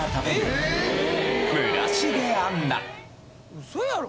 ウソやろ？